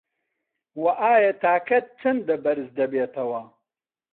وه ئایا تاکەت چەندە بەرز دەبێتەوه